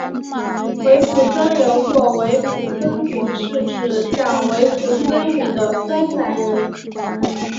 维普森人或维普森族是指讲维普森语的芬兰人。